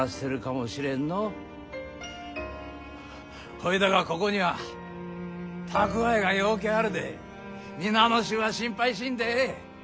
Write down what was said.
ほいだがここには蓄えがようけあるで皆の衆は心配しんでええ。